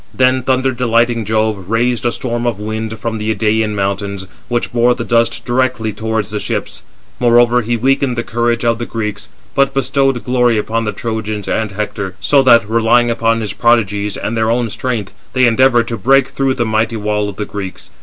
Then thunder delighting Jove raised a storm of wind from the Idæan mountains, which bore the dust directly towards the ships; moreover, he weakened the courage of the Greeks, but bestowed glory upon the Trojans and Hector: so that, relying upon his prodigies, and [their own] strength, they endeavoured to break through the mighty wall of the Greeks.